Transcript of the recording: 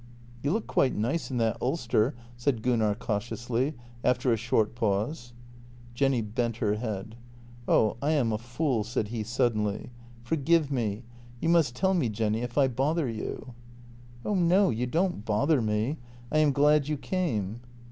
" You look quite nice in that ulster," said Gunnar cautiously, after a short pause. Jenny bent her head. " Oh, I am a fool," said he suddenly. " Forgive me. You must tell me, Jenny, if I bother you." " Oh no, you don't bother me. I am glad you came."